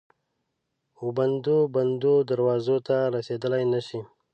وبندو، بندو دروازو ته رسیدلای نه شي